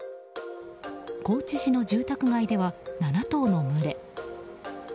高知市の住宅街では７頭の群れ。